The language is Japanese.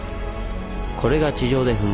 これが地上で噴火。